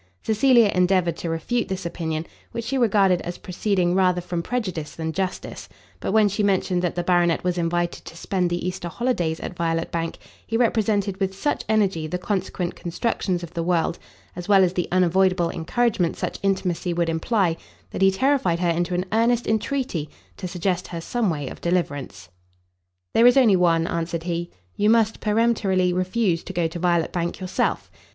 Cecilia endeavoured to refute this opinion, which she regarded as proceeding rather from prejudice than justice; but when she mentioned that the baronet was invited to spent the Easter holidays at Violet Bank, he represented with such energy the consequent constructions of the world, as well as the unavoidable encouragement such intimacy would imply, that he terrified her into an earnest entreaty to suggest to her some way of deliverance. "There is only one;" answered he, "you must peremptorily refuse to go to Violet Bank yourself.